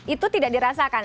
itu tidak dirasakan